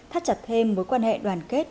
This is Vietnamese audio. thắt chặt thêm mối quan hệ đoàn kết